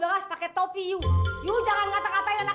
eh enak aja